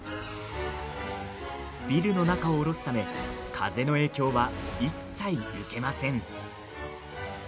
ビルの中を下ろすため風の影響は一切、受けません。